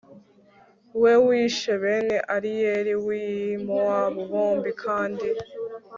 we wishe bene Ariyeli w i Mowabu bombi kandi